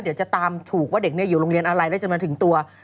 เดี๋ยวจะตามถูกว่าเด็กอยู่โรงเรียนอะไรแล้วจะมาถึงตัว